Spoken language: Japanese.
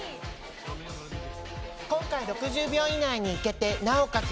今回、６０秒以内に行けてなおかつ